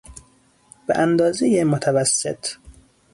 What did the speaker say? به اندازهی متوسط